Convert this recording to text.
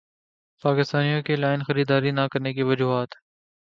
پاکستانیوں کی لائن خریداری نہ کرنے کی وجوہات